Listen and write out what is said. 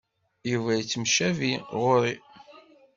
Yuba yettemcabi ɣur-i.